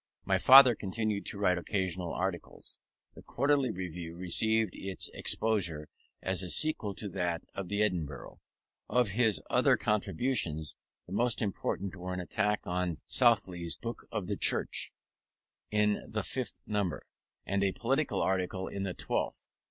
My father continued to write occasional articles. The Quarterly Review received its exposure, as a sequel to that of the Edinburgh. Of his other contributions, the most important were an attack on Southey's Book of the Church, in the fifth number, and a political article in the twelfth.